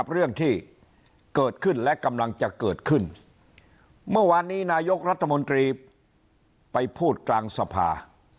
เรื่องที่เกิดขึ้นและกำลังจะเกิดขึ้นเมื่อวานนี้นายกรัฐมนตรีไปพูดกลางสภา